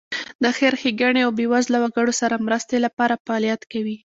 د خیر ښېګڼې او بېوزله وګړو سره مرستې لپاره فعالیت کوي.